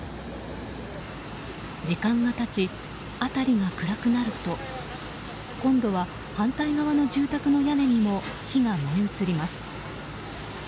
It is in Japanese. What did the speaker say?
時間が経ち、辺りが暗くなると今度は反対側の住宅の屋根にも火が燃え移ります。